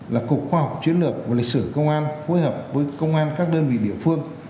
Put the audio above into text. là cục khoa học chiến lược và lịch sử công an phối hợp với công an các đơn vị địa phương